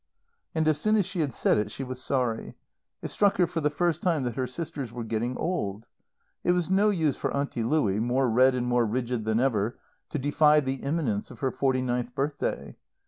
And as soon as she had said it she was sorry. It struck her for the first time that her sisters were getting old. It was no use for Auntie Louie, more red and more rigid than ever, to defy the imminence of her forty ninth birthday.